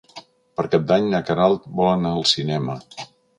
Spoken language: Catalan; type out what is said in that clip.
Per Cap d'Any na Queralt vol anar al cinema.